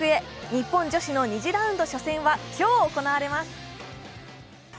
日本女子の２次ラウンド初戦は今日行われます。